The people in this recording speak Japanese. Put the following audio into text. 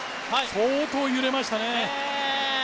相当揺れましたね。